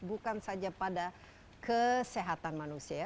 bukan saja pada kesehatan manusia ya